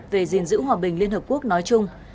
về gìn giữ hòa bình liên hợp quốc nói chung